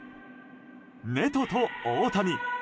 ネトと大谷。